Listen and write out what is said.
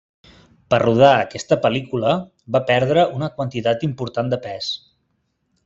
Per rodar aquesta pel·lícula va perdre una quantitat important de pes.